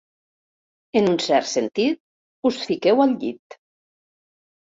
En un cert sentit, us fiqueu al llit.